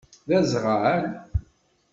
D aẓɣal?